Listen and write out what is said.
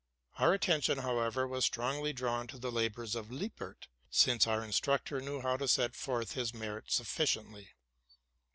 Our attention, however, was strongly drawn to the labors of Lippert, since our instructor knew how to set forth his merits sufficiently.